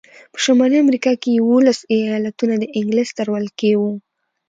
په شمالي امریکا کې یوولس ایالتونه د انګلیس تر ولکې وو.